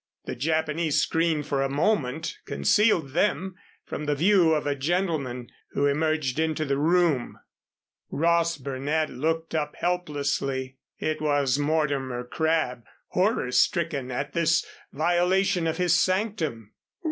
The Japanese screen for a moment concealed them from the view of a gentleman who emerged into the room. Ross Burnett looked up helplessly. It was Mortimer Crabb, horror stricken at this violation of his sanctum.